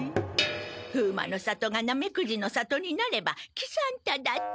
風魔の里がナメクジの里になれば喜三太だって。